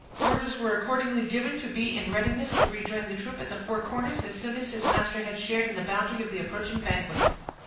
Orders were accordingly given to be in readiness to rejoin the troop at the Four Corners, as soon as his master had shared in the bounty of the approaching banquet.